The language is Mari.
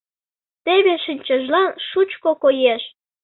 Теве шинчажлан шучко коеш...